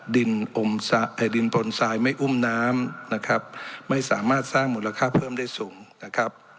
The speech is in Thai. ดินปนทรายไม่อุ้มน้ำนะครับไม่สามารถสร้างมูลค่าเพิ่มได้สูงนะครับ